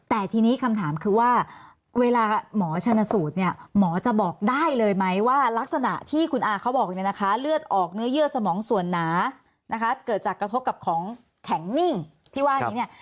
แต่ทีนี้คำถามคือว่าเวลาหมอชนสูตรเนี่ยหมอจะบอกได้เลยไหมว่ารักษณะที่คุณอาเขาบอกเนี่ยนะคะเลือดออกเนื้อเยื่อสมองส่วนหนานะคะเกิดจากกระทบกับของแข็งนิ่งที่ว่านี้เนี่ย